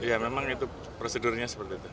ya memang itu prosedurnya seperti itu